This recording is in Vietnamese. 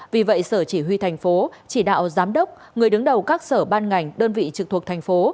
vì vậy sở chỉ huy thành phố chỉ đạo giám đốc người đứng đầu các sở ban ngành đơn vị trực thuộc thành phố